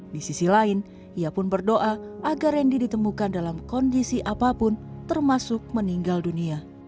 di sisi lain ia pun berdoa agar randy ditemukan dalam kondisi apapun termasuk meninggal dunia